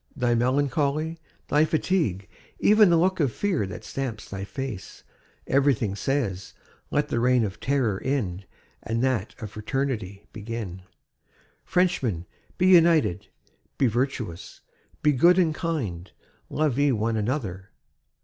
Thy melancholy, thy fatigue, even the look of fear that stamps thy face, everything says: 'Let the reign of terror end and that of fraternity begin! Frenchmen, be united, be virtuous, be good and kind. Love ye one another....'